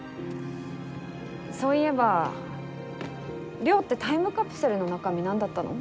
そういえば稜ってタイムカプセルの中身なんだったの？